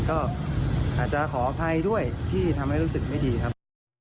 ก็อาจจะขออภัยด้วยที่ทำให้รู้สึกไม่ดีครับ